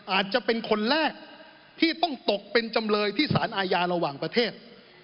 อาจจะเป็นคนแรกที่ต้องตกเป็นจำเลยที่สารอาญาระหว่างประเทศ